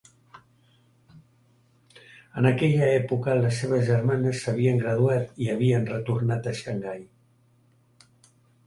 En aquella època les seves germanes s'havien graduat i havien retornat a Xangai.